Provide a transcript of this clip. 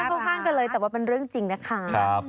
ไม่ค่อยข้างกับเลยแต่ว่าเป็นเรื่องจริงเลยค่ะ